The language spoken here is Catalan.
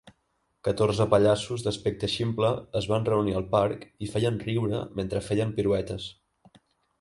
Catorze pallassos d'aspecte ximple es van reunir al parc i feien riure mentre feien piruetes.